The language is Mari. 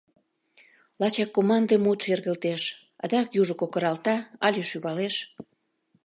Лачак команде мут шергылтеш, адак южо кокыралта але шӱвалеш.